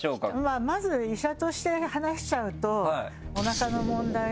まず医者として話しちゃうと。